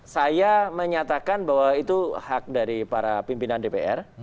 saya menyatakan bahwa itu hak dari para pimpinan dpr